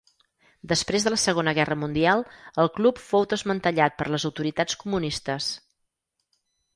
Després de la Segona Guerra Mundial el club fou desmantellat per les autoritats comunistes.